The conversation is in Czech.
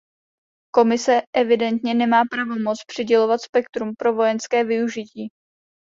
Komise evidentně nemá pravomoc přidělovat spektrum pro vojenské využití.